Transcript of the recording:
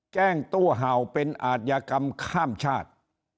แจ้งตู้เห่าเป็นอาทยากรรมข้ามชาติ